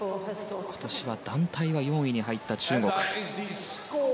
今年は団体は４位に入った中国。